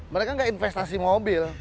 mereka nggak investasi mobil